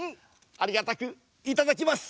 ありがたくいただきます！